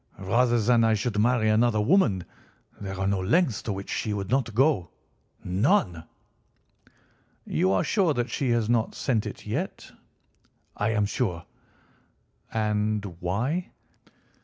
Rather than I should marry another woman, there are no lengths to which she would not go—none." "You are sure that she has not sent it yet?" "I am sure." "And why?"